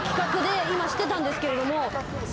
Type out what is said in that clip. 今してたんですけれども。